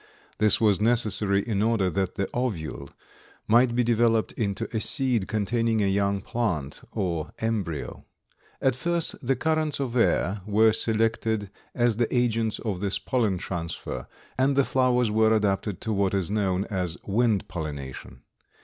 This was necessary in order that the ovule might be developed into a seed containing a young plant or embryo. At first the currents of air were selected as the agents of this pollen transfer, and the flowers were adapted to what is known as wind pollination.